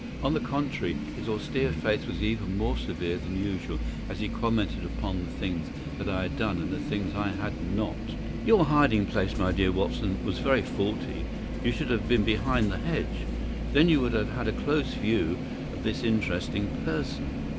On the contrary, his austere face was even more severe than usual as he commented upon the things that I had done and the things that I had not. "Your hiding place, my dear Watson, was very faulty. You should have been behind the hedge; then you would have had a close view of this interesting person.